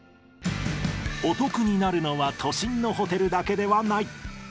お得になるのは都心のホテルだけではない。